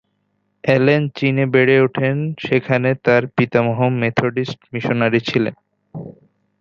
Allen চীনে বেড়ে ওঠেন, সেখানে তার পিতামহ মেথডিস্ট মিশনারী ছিলেন।